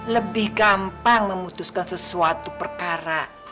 lebih gampang memutuskan sesuatu perkara